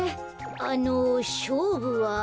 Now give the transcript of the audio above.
あのしょうぶは？